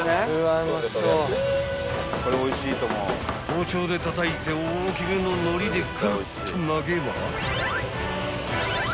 ［包丁でたたいて大きめの海苔でくるっと巻けば］